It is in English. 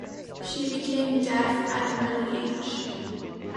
She became deaf at an early age.